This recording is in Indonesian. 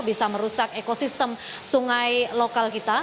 bisa merusak ekosistem sungai lokal kita